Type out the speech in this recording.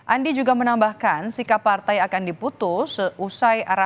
andi juga menambahkan sikap partai akan diputus